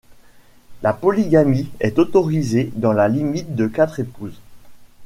La polygamie est autorisée dans la limite de quatre épouses.